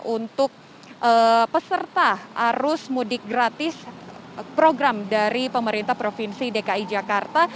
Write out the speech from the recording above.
untuk peserta arus mudik gratis program dari pemerintah provinsi dki jakarta